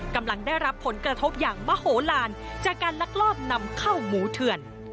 กำลังได้รับผลกระทบอย่างมโหลานจากการลักลอบนำเข้าหมูเถื่อน